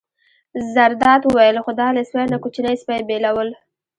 زرداد وویل: خو دا له سپۍ نه کوچنی سپی بېلول.